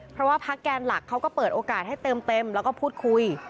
เพราะว่าพักแกนหลักเขาก็เปิดโอกาสให้เติมเต็มแล้วก็พูดคุย